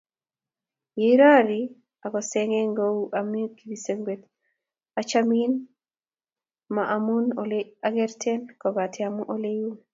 Yeirori akosege kouyon ami kipsengwet. Achamin ma amun ole akerten kobate amun ole iu.